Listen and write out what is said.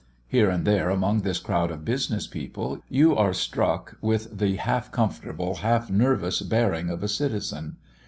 Here and there, among this crowd of business people, you are struck with the half comfortable, half nervous bearing of a citizen.